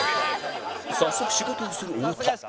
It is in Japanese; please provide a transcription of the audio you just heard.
早速仕事をする太田